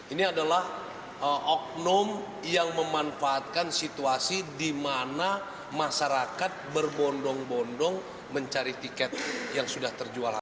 ini adalah oknum yang memanfaatkan situasi di mana masyarakat berbondong bondong mencari tiket yang sudah terjualan